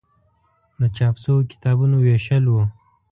د چاپ شویو کتابونو ویشل و.